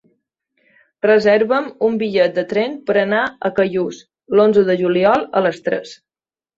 Reserva'm un bitllet de tren per anar a Callús l'onze de juliol a les tres.